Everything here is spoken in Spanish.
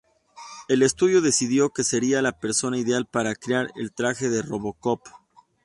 El estudio decidió que sería la persona ideal para crear el traje de RoboCop.